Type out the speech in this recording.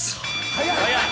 ［早い］